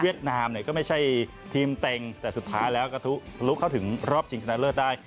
นามเนี่ยก็ไม่ใช่ทีมเต็งแต่สุดท้ายแล้วก็ทะลุเข้าถึงรอบชิงชนะเลิศได้